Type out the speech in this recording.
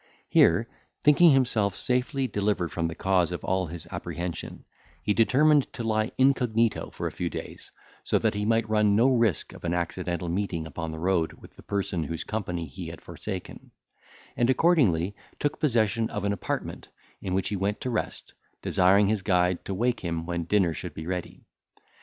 Here, thinking himself safely delivered from the cause of all his apprehension, he determined to lie incognito for a few days, so as that he might run no risk of an accidental meeting upon the road with the person whose company he had forsaken; and accordingly took possession of an apartment, in which he went to rest, desiring his guide to wake him when dinner should be ready.